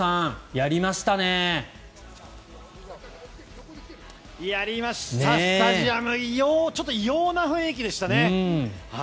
やりました、スタジアム異様な雰囲気でしたね。